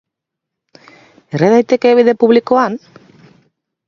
Erre daiteke bide publikoan?